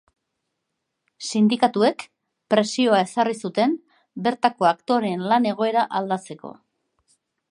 Sindikatuek presioa ezarri zuten, bertako aktoreen lan-egoera aldatzeko.